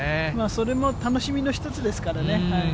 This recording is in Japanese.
それも楽しみの一つですからね。